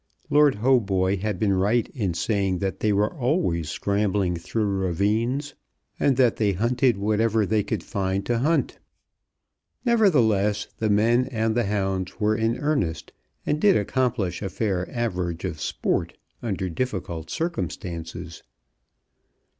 Lord Hautboy had been right in saying that they were always scrambling through ravines, and that they hunted whatever they could find to hunt. Nevertheless, the men and the hounds were in earnest, and did accomplish a fair average of sport under difficult circumstances.